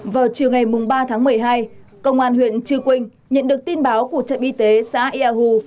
vào chiều ngày ba tháng một mươi hai công an huyện chư quynh nhận được tin báo của trạm y tế xã ia hù